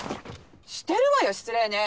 してるわよ失礼ね。